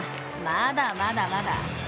まだ、まだ、まだ。